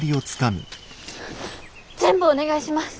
全部お願いします！